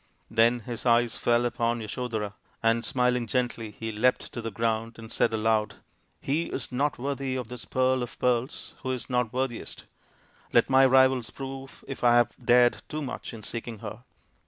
Then his eyes fell upon Yasodhara, and smiling gently he leapt to the ground and said aloud, " He is not worthy of this pearl of pearls who is not worthiest ; let my rivals prove if I have dared too much in seeking her."